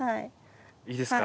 いいですか？